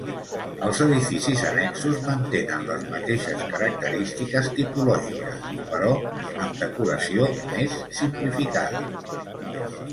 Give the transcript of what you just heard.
Els edificis annexos mantenen les mateixes característiques tipològiques, però amb decoració més simplificada.